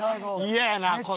嫌やなぁ。